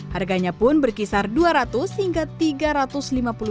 harganya pun berkisar dua ratus hingga rp tiga ratus lima puluh